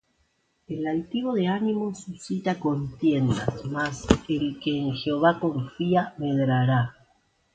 El altivo de ánimo suscita contiendas: Mas el que en Jehová confía, medrará.